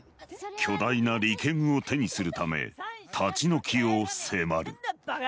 巨大な利権を手にするため立ち退きを迫る